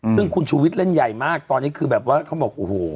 ซึ่งคุณชูวิทย์เล่นใหญ่มากตอนนี้คือแบบว่าเขาบอกโอ้โห